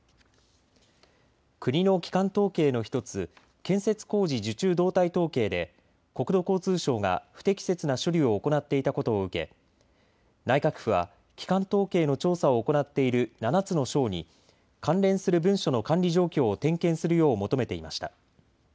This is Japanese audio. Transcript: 国の基幹統計の１つ建設工事受注動態統計で国土交通省が不適切な処理を行っていたことを受け内閣府は基幹統計の調査を行っている７つの省に関連する文書の管理状況を点検するよう求めていました。